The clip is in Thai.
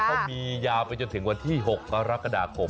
เขามียาวไปจนถึงวันที่๖กรกฎาคม